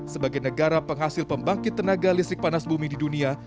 sebagai negara penghasil pembangkit tenaga listrik panas bumi di dunia